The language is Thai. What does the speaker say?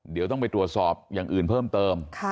เดี๋ยวต้องไปตรวจสอบอย่างอื่นเพิ่มเติม